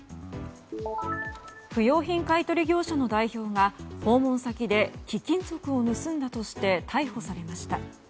不用品買取業者の代表が訪問先で貴金属を盗んだとして逮捕されました。